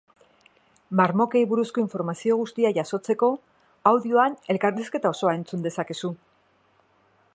Marmokei buruzko informazio guztia jasotzeko, audioan elkarrizketa osoa entzun dezakezu.